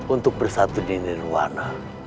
untuk bersatu di nirwana